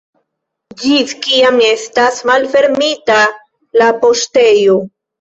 Ĝis kiam estas malfermita la poŝtejo?